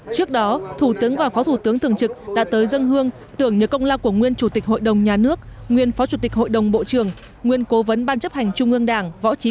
trước đó thủ tướng và phó thủ tướng thường trực đã tới dân hương tưởng nhớ nguyên thủ tướng phan văn khải